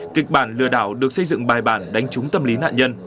kịch bản lừa đảo được xây dựng bài bản đánh trúng tâm lý nạn nhân